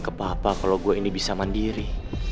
ke papa kalau saya ini bisa mandiri